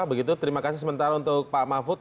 begitu terima kasih sementara untuk pak mahfud